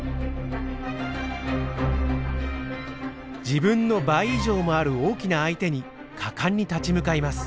自分の倍以上もある大きな相手に果敢に立ち向かいます。